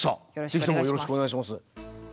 ぜひともよろしくお願いします。